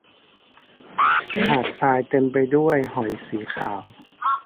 หาดทรายเต็มไปด้วยหอยสีขาว